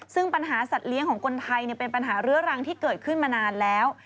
ซึ่งปัญหาสัตว์เลี้ยงของคนไทยเป็นปัญหาเรื้อรังที่เกิดขึ้นมานานแล้ว